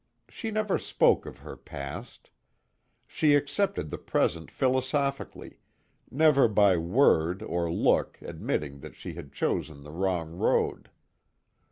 She never spoke of her past. She accepted the present philosophically, never by word or look admitting that she had chosen the wrong road.